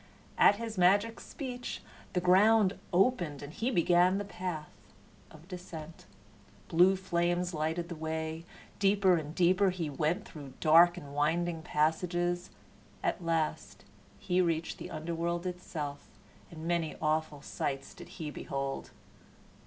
At his magic speech the ground opened and he began the path of descent. Blue flames lighted the way. Deeper and deeper he went through dark and winding passages. At last he reached the underworld itself, and many awful sights did he behold.